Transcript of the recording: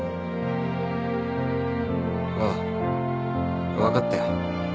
ああ分かったよ。